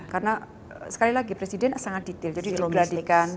karena sekali lagi presiden sangat detail jadi digeladikan